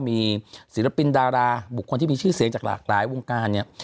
มีศิลปินดาราบุคคลที่มีชื่อเสียงจากหลากหลายวงการเนี่ย